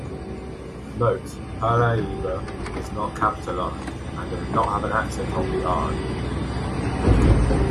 Note "paraiba" is not capitalized, and does not have an accent on the "i".